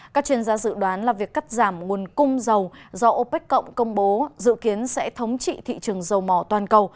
các chuyên gia dự đoán là việc cắt giảm nguồn cung dầu do opec cộng công bố dự kiến sẽ thống trị thị trường dầu mỏ toàn cầu